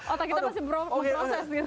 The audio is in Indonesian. otak kita masih berproses gitu